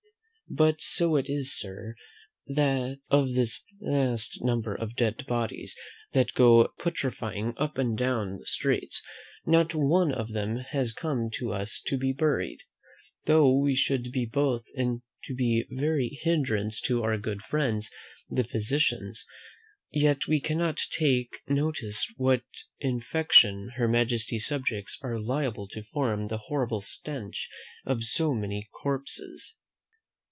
But so it is, Sir, that of this vast number of dead bodies that go putrifying up and down the streets, not one of them has come to us to be buried. Though we should be loth to be any hindrance to our good friends the physicians, yet we cannot but take notice what infection Her Majesty's subjects are liable to from the horrible stench of so many corpses.